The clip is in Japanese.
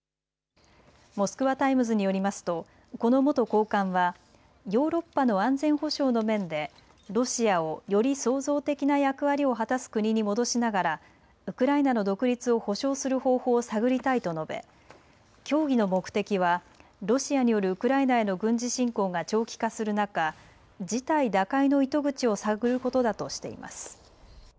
モスクワ・タイムズによりますとこの元高官はヨーロッパの安全保障の面でロシアをより創造的な役割を果たす国に戻しながら、ウクライナの独立を保証する方法を探りたいと述べ協議の目的はロシアによるウクライナへの軍事侵攻が長期化する中、事態打開の糸口を探ることだとしています。